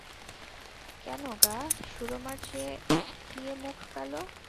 কেন গা, সুরমার চেয়ে কি এ মুখ কালো?